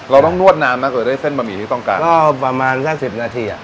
เราต้องนวดนานมากกว่าจะได้เส้นบะหมี่ที่ต้องการก็ประมาณสักสิบนาทีอ่ะ